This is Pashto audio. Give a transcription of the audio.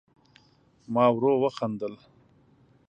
ما ورو وخندل